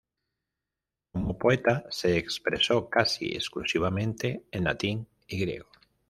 Como poeta se expresó casi exclusivamente en latín y griego.